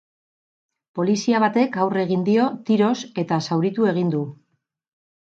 Poliza batek aurre egin dio, tiroz, eta zauritu egin du.